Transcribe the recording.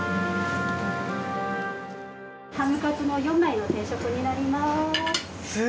ハムカツの４枚の定食になります。